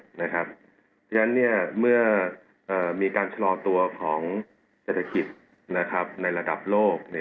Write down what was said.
เพราะฉะนั้นเมื่อมีการชะลอตัวของเศรษฐกิจในระดับโลก